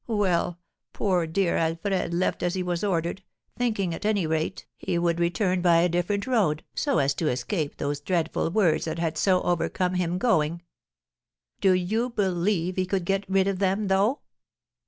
Well, poor dear Alfred left as he was ordered, thinking, at any rate, he would return by a different road, so as to escape those dreadful words that had so overcome him going. Do you believe he could get rid of them, though?